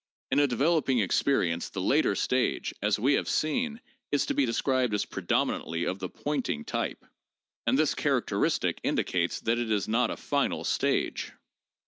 In a developing experience the later stage, as we have seen, is to be described as predominantly of the 'pointing' type, and this char acteristic indicates that it is not a final stage.